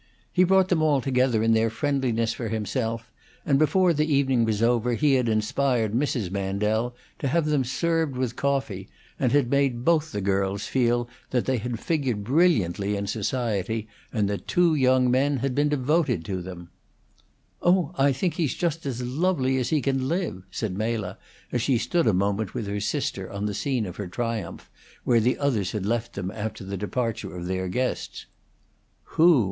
He brought them all together in their friendliness for himself, and before the evening was over he had inspired Mrs. Mandel to have them served with coffee, and had made both the girls feel that they had figured brilliantly in society, and that two young men had been devoted to them. "Oh, I think he's just as lovely as he can live!" said Mela, as she stood a moment with her sister on the scene of her triumph, where the others had left them after the departure of their guests. "Who?"